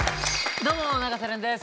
どうも永瀬廉です。